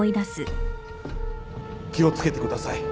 気を付けてください